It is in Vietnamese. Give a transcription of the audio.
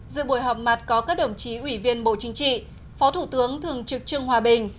dự buổi họp mặt có các đồng chí ủy viên bộ chính trị phó thủ tướng thường trực trương hòa bình